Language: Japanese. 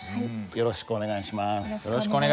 よろしくお願いします。